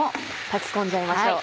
炊き込んじゃいましょう。